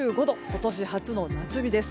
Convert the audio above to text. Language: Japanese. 今年初の夏日です。